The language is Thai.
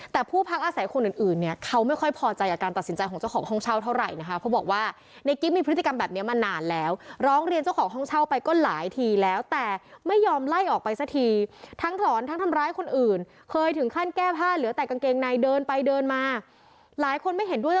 แต่ผู้พักอาศัยคนอื่นอื่นเนี่ยเขาไม่ค่อยพอใจกับการตัดสินใจของเจ้าของห้องเช่าเท่าไหร่นะคะเขาบอกว่าในกิ๊บมีพฤติกรรมแบบนี้มานานแล้วร้องเรียนเจ้าของห้องเช่าไปก็หลายทีแล้วแต่ไม่ยอมไล่ออกไปสักทีทั้งถอนทั้งทำร้ายคนอื่นเคยถึงขั้นแก้ผ้าเหลือแต่กางเกงในเดินไปเดินมาหลายคนไม่เห็นด้วย